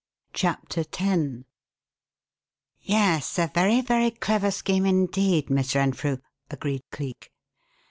'" CHAPTER X "Yes, a very, very clever scheme indeed, Miss Renfrew," agreed Cleek.